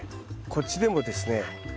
こっちでもですね